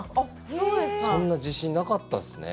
そんな自信なかったですね。